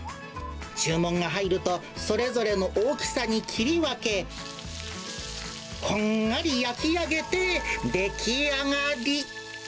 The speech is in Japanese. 注文が入ると、それぞれの大きさに切り分け、こんがり焼き上げて出来上がり。